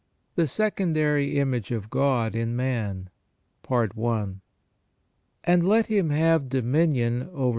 THE SECONDARY IMAGE OF GOD IN MAN. "And let him have dominion over